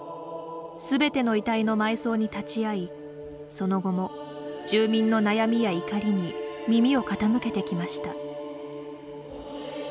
すべての遺体の埋葬に立ち会いその後も、住民の悩みや怒りに耳を傾けてきました。